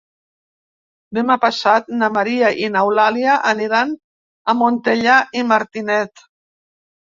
Demà passat na Maria i n'Eulàlia aniran a Montellà i Martinet.